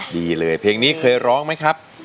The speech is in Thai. ดีเลยเพลงนี้เคยร้องไหมครับ